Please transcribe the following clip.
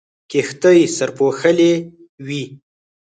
کښتۍ سرپوښلې وې.